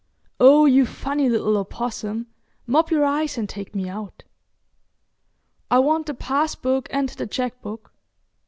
Oh, you funny little opossum, mop your eyes and take me out! I want the pass book and the check book.